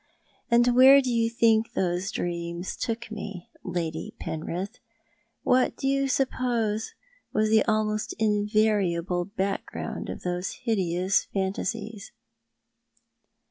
And where do you think those dreams took me — Lady Penrith — what do you suppose was the almost invariable background of those hideous phantasies